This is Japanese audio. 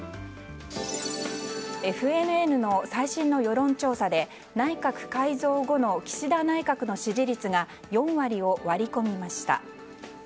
ＦＮＮの最新の世論調査で内閣改造後の岸田内閣の支持率が４割を割り込みました。